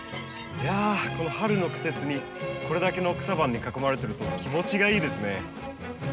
いやこの春の季節にこれだけの草花に囲まれてると気持ちがいいですね。